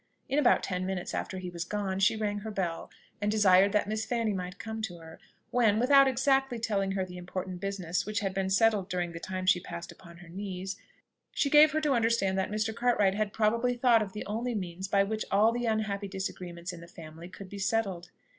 In about ten minutes after he was gone, she rang her bell, and desired that Miss Fanny might come to her; when, without exactly telling her the important business which had been settled during the time she passed upon her knees, she gave her to understand that Mr. Cartwright had probably thought of the only means by which all the unhappy disagreements in the family could be settled.